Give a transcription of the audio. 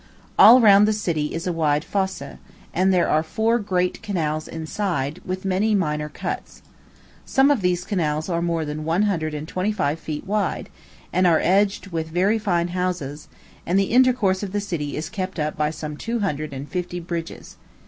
All round the city is a wide fosse; and there are four great canals inside, with many minor cuts. Some of these canals are more than one hundred and twenty five feet wide, and are edged with very fine houses; and the intercourse of the city is kept up by some two hundred and fifty bridges.